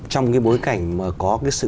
trong cái bối cảnh mà có cái sự